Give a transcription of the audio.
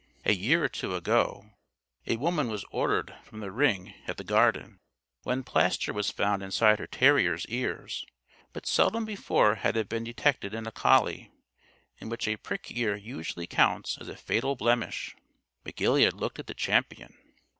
A year or two ago a woman was ordered from the ring, at the Garden, when plaster was found inside her terrier's ears, but seldom before had it been detected in a collie in which a prick ear usually counts as a fatal blemish. McGilead looked at the Champion.